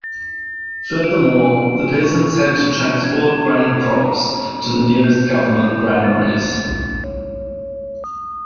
Furthermore, the peasants had to transport grain crops to the nearest government granaries.